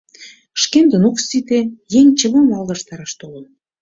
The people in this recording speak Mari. — Шкендын ок сите, еҥ чывым алгаштараш толын.